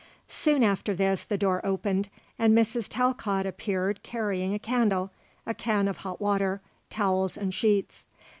Soon after this the door opened and Mrs. Talcott appeared carrying a candle, a can of hot water, towels and sheets.